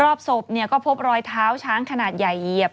รอบศพก็พบรอยเท้าช้างขนาดใหญ่เหยียบ